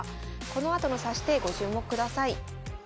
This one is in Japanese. このあとの指し手ご注目ください。